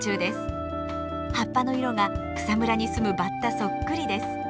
葉っぱの色が草むらに住むバッタそっくりです。